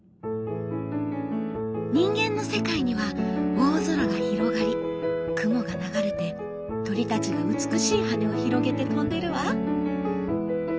「人間の世界には大空が広がり雲が流れて鳥たちが美しい羽を広げて飛んでいるわ」。